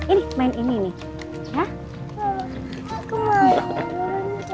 ini main ini nih